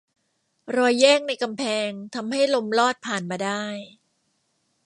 รอยแยกในกำแพงทำให้ลมลอดผ่านมาได้